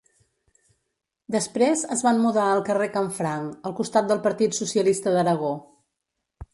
Després es van mudar al carrer Canfranc al costat del Partit Socialista d'Aragó.